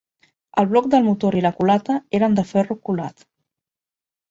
El bloc del motor i la culata eren de ferro colat.